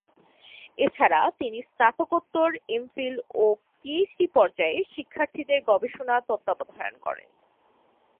এছাড়া তিনি স্নাতকোত্তর, এমফিল ও পিএইচডি পর্যায়ের শিক্ষার্থীদের গবেষণা তত্ত্বাবধান করেন।